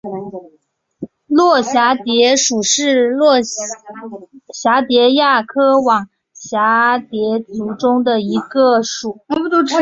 络蛱蝶属是蛱蝶亚科网蛱蝶族中的一个属。